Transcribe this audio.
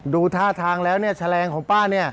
ดูท่าทางแล้วเนี่ยแฉลงของป้าเนี่ย